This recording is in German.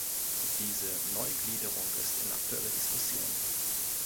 Diese Neugliederung ist in aktueller Diskussion.